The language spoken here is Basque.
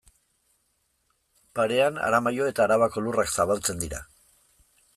Parean Aramaio eta Arabako lurrak zabaltzen dira.